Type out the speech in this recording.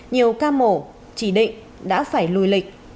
nhiều ca mổ chỉ định đã phải lùi lịch